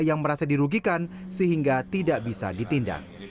yang merasa dirugikan sehingga tidak bisa ditindak